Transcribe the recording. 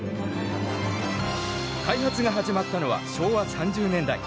開発が始まったのは昭和３０年代。